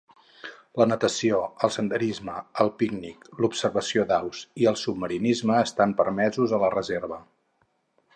La natació, el senderisme, el pícnic, l'observació d'aus i el submarinisme estan permesos a la reserva.